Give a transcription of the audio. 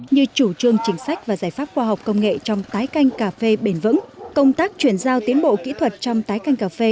như chủ trương chính sách và giải pháp khoa học công nghệ trong tái canh cà phê bền vững công tác chuyển giao tiến bộ kỹ thuật trong tái canh cà phê